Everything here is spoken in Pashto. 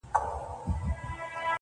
• څارنوال د ځان په جُرم نه پوهېږي..